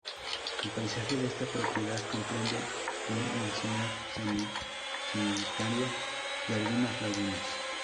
El paisaje de esta propiedad comprende un encinar centenario y algunas lagunas.